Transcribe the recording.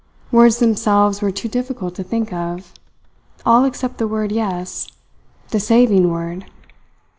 Words themselves were too difficult to think of all except the word "yes," the saving word!